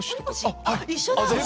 あっ一緒だ！